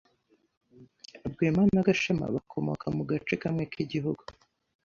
Rwema na Gashema bakomoka mu gace kamwe k'igihugu.